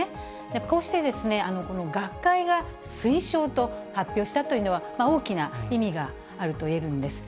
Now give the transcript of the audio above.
こうして、学会が推奨と発表したというのは、大きな意味があると言えるんです。